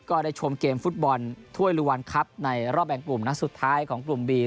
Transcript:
ก็ได้ชมเกมฟุตบอลถ้วยลูวันครับในรอบแบ่งกลุ่มนัดสุดท้ายของกลุ่มบี